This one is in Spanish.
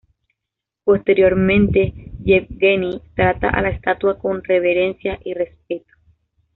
Posteriormente Yevgueni trata a la estatua con reverencia y respeto.